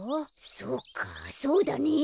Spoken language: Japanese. そうかそうだね。